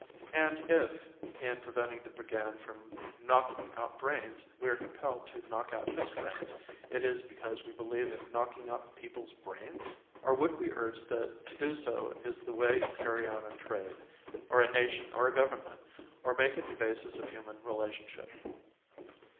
And if, in preventing the brigand from knocking out brains, we are compelled to knock out his brains, is it because we believe in knocking out people's brains? Or would we urge that to do so is the way to carry on a trade, or a nation, or a government, or make it the basis of human relationship?